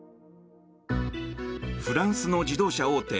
フランスの自動車大手